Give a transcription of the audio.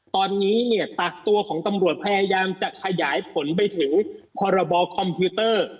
ตอนนี้เนี่ยตักตัวของตำรวจพยายามจะขยายผลไปถึงพรบคอมพิวเตอร์